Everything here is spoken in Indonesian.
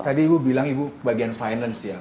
tadi ibu bilang ibu bagian finance ya